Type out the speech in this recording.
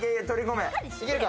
取り込め！